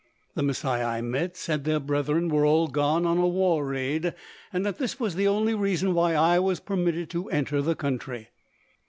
The Masai I met said their brethren were all gone on a war raid, and that this was the only reason why I was permitted to enter the country.